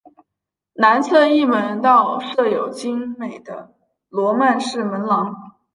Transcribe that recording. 南侧翼门道设有精美的罗曼式门廊。